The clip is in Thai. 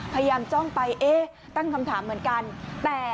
พยายามจ้องไปเอ๊ตั้งคำถามเหมือนกันแต่